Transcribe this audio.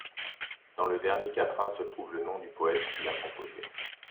Dans le dernier quatrain se trouve le nom du poète qui l’a composé.